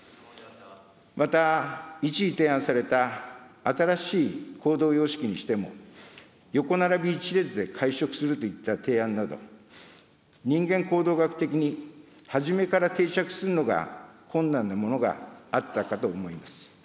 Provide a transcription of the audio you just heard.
また、一時提案された新しい行動様式にしても、横並び一列で会食するといった提案など、人間行動学的に初めから定着するのが困難なものがあったかと思います。